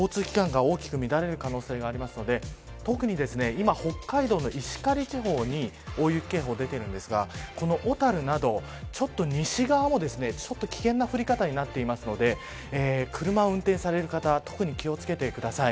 交通機関が大きく乱れる可能性があるので特に今、北海道の石狩地方に大雪警報、出ているんですがこの小樽など、ちょっと西側も危険な降り方になっているので車を運転される方特に気を付けてください。